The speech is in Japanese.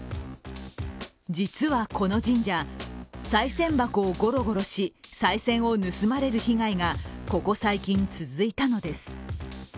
実はこの神社、さい銭箱をゴロゴロしさい銭を盗まれる被害がここ最近続いたのです。